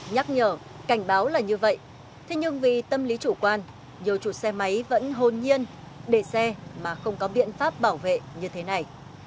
nhắc nhở cảnh báo là như vậy thế nhưng vì tâm lý chủ quan nhiều chủ xe máy vẫn hồn nhiên để xe mà không có biện pháp bảo vệ như thế này